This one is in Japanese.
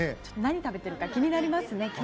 何食べてるか気になりますね。